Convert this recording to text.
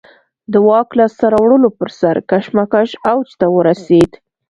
د واک لاسته راوړلو پر سر کشمکش اوج ته ورسېد